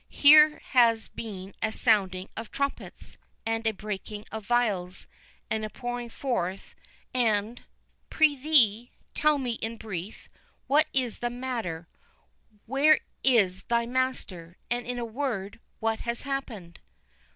—Here has been a sounding of trumpets, and a breaking of vials, and a pouring forth, and"— "Prithee, tell me in brief, what is the matter—where is thy master—and, in a word, what has happened?"